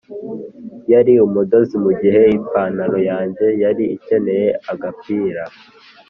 yari umudozi mugihe ipantaro yanjye yari ikeneye agapira.